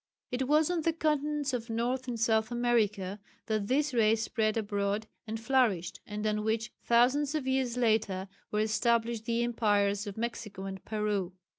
It was on the continents of North and South America that this race spread abroad and flourished, and on which thousands of years later were established the empires of Mexico and Peru.